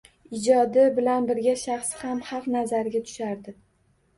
Ijodi bilan birga shaxsi ham xalq nazariga tushardi.